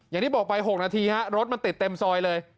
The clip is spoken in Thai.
อย่างที่บอกไป๖นาทีฮะรถมันติดเต็มซอยเลย